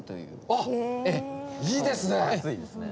あいいですね！